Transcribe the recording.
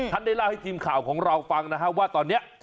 ได้เล่าให้ทีมข่าวของเราฟังนะฮะว่าตอนนี้